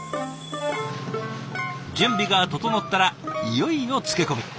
準備が整ったらいよいよ漬け込み。